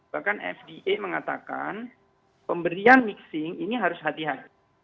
bahkan fda mengatakan pemberian mixing ini harus hati hati